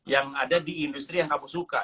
yang ada di industri yang kamu suka